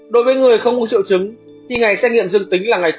đối với người không có triệu chứng thì ngày xét nghiệm dương tính là ngày